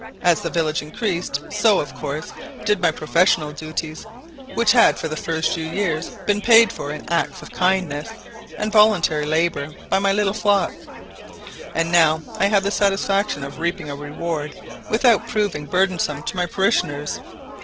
As the village increased, so, of course, did my professional duties, which had for the first few years been paid for in acts of kindness and voluntary labour by my little flock; now I have the satisfaction of reaping a reward without proving burdensome to my parishioners.